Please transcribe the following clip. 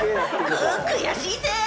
く、悔しいぜ。